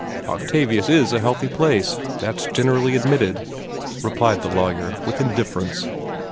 "Octavius is a healthy place that's generally admitted," replied the lawyer, with indifference.